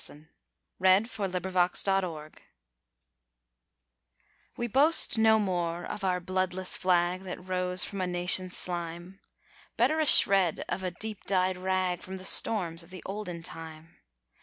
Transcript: _ The Star of Australasia We boast no more of our bloodless flag, that rose from a nation's slime; Better a shred of a deep dyed rag from the storms of the olden time.